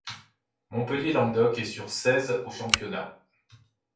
Montpellier-Languedoc est sur seize en championnat.